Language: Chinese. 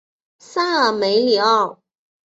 塞尔梅里厄。